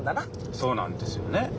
そうなんですよね。